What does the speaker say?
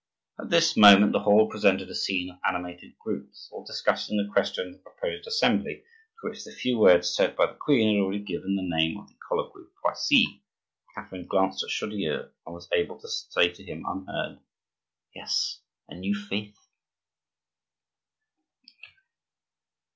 At this moment the hall presented a scene of animated groups, all discussing the question of the proposed assembly, to which the few words said by the queen had already given the name of the "Colloquy of Poissy." Catherine glanced at Chaudieu and was able to say to him unheard:— "Yes, a new faith!"